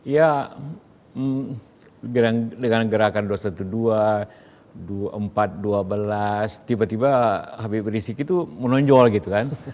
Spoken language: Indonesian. ya dengan gerakan dua ratus dua belas dua puluh empat dua belas tiba tiba habib rizik itu menonjol gitu kan